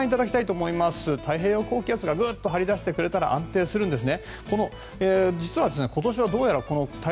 太平洋高気圧がぐっと張り出してくれたら安定するんですね。